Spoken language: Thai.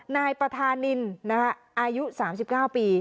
นายประธานินอายุ๓๙ปี